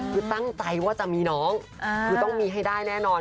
คือตั้งใจว่าจะมีน้องคือต้องมีให้ได้แน่นอน